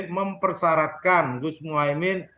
mempersyaratkan gus muhaymin